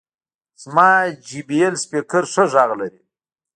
زما جې بي ایل سپیکر ښه غږ لري.